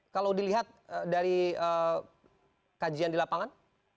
kalau dilihat dari kajian di lapangan